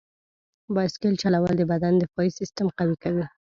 بایسکل چلول د بدن دفاعي سیستم قوي کوي.